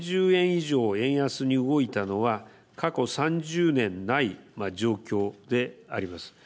以上円安に動いたのは過去３０年ない状況であります。